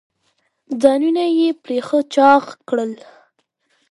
ځانونه یې پرې ښه چاغ کړل.